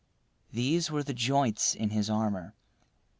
These were the joints in his armor.